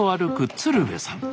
鶴瓶さん。